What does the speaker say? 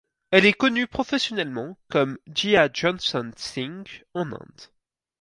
Elle est connue professionnellement comme Gia Johnson Singh en Inde.